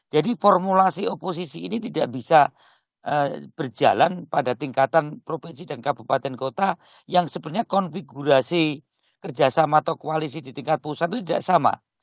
jadi formulasi oposisi ini tidak bisa berjalan pada tingkatan provinsi dan kabupaten kota yang sebenarnya konfigurasi kerjasama atau koalisi di tingkat pusat itu tidak sama